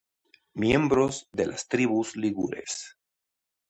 Miembros de las tribus ligures.